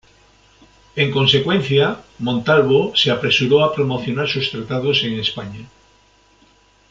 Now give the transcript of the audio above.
En consecuencia, Montalvo se apresuró a promocionar sus tratados en España.